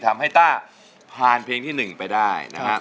ว่าผ่านเพลงที่หนึ่งไปได้นะครับ